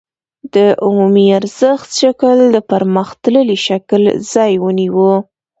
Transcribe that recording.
د عمومي ارزښت شکل د پرمختللي شکل ځای ونیو